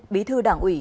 bí thư đảng ủy